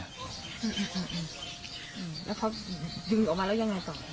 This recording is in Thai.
แล้วเขาดึงออกมาแล้วยังไงต่อ